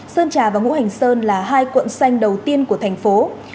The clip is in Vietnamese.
sơn trà và ngũ hành sơn là hai quận xanh đầu tiên của thành phố